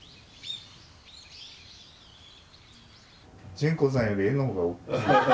純子さんより絵のほうが大きい。